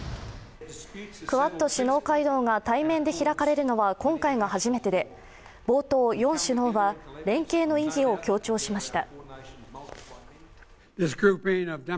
クアッド首脳会合が対面で開かれるのは今回が初めてで冒頭、４首脳は連携の意義を強調しました。